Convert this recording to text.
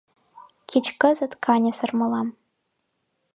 Кеч кызыт каньысыр мылам